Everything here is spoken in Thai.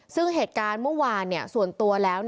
ซึ่งเหตุการณ์เมื่อวานส่วนตัวแล้ว